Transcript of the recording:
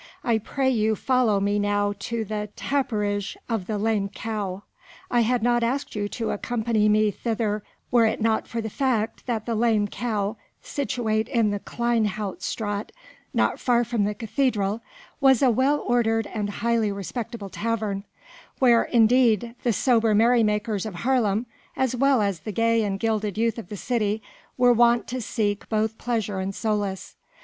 I pray you follow me now to the tapperij of the "Lame Cow." I had not asked you to accompany me thither were it not for the fact that the "Lame Cow" situate in the Kleine Hout Straat not far from the Cathedral, was a well ordered and highly respectable tavern, where indeed the sober merry makers of Haarlem as well as the gay and gilded youth of the city were wont to seek both pleasure and solace.